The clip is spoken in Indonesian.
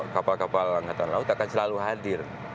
kapal kapal angkatan laut akan selalu hadir